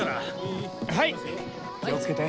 気を付けて。